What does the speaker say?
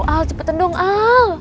al cepetan dong al